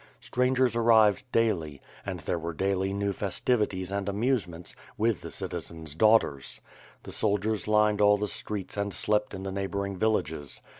Strangers arrived daily, and there were daily new festivities and amusements, with the citizens' daughters. The soldiers lined all the streets and slept in the neighboring villages.